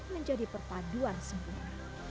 menjadi perpaduan sempurna